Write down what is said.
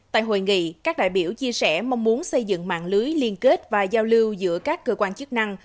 tại hội nghị các đại biểu chia sẻ mong muốn xây dựng mạng lưới liên kết và giao lưu giữa các cơ quan chức năng